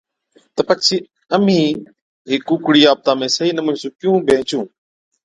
تہ پڇي اَمهِين هيڪ ڪُوڪڙِي آپتان ۾ صحِيح نموني سُون ڪِيُون بيهنچُون؟